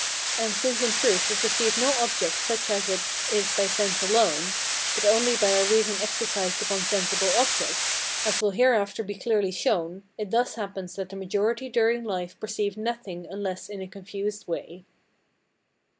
And since in truth we perceive no object such as it is by sense alone [but only by our reason exercised upon sensible objects], as will hereafter be clearly shown, it thus happens that the majority during life perceive nothing unless in a confused way.